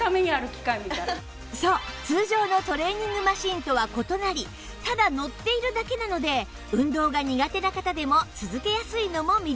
そう通常のトレーニングマシンとは異なりただ乗っているだけなので運動が苦手な方でも続けやすいのも魅力